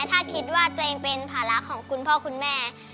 ถ้าคิดว่าตัวเองเป็นภาระของคุณพ่อคุณแม่